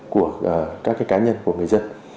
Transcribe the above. của các cái cá nhân của người dân